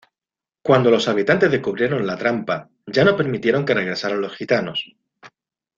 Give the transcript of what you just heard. Cuando los habitantes descubrieron la trampa, ya no permitieron que regresaran los gitanos.